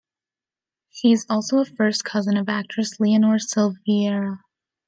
She is also a first cousin of actress Leonor Silveira.